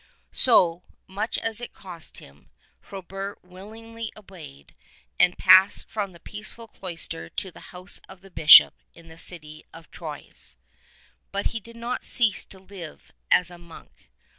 So, much as it cost him, Frobert willingly obeyed, and passed from the peaceful cloister to the house of the Bishop in the city of Troyes. But he did not cease to live as a monk.